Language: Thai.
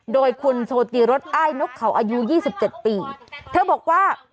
โดยคุณโชติรสอ้ายนกเขาอายุยี่สิบเจ็ดปีเธอบอกว่า